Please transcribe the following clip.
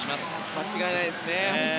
間違いないですね。